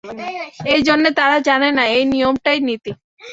এই জন্যে তারা জানে না এই নিয়মটাই নীতি।